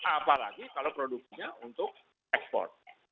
apalagi kalau produksinya untuk ekspor